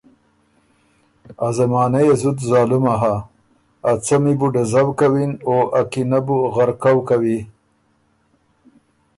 ا زمانۀ يې زُت ظالُمه هۀ، ا څمی بُو ډزؤ کوِن او ا کینۀ بُو غرقؤ کوی